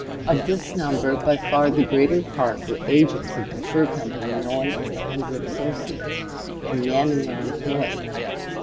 Of this number, by far the greater part were agents of the fur company known as the Hundred Associates, and men in their employ.